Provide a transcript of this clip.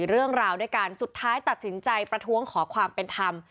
เรื่องราวด้วยกันสุดท้ายตัดสินใจประท้วงขอความเป็นธรรม